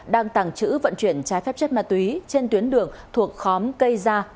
đang tàng trữ vận chuyển trái phép chất ma túy trên tuyến đường thuộc khóm cây gia